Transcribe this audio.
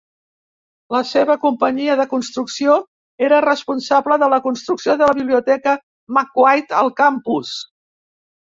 La seva companyia de construcció era responsable de la construcció de la Biblioteca McQuaid al campus.